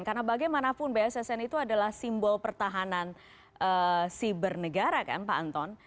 karena bagaimanapun bssn itu adalah simbol pertahanan siber negara kan pak anton